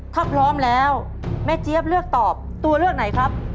ถ้าพร้อมแล้วแม่เจี๊ยบเลือกตอบตัวเลือกไหนครับ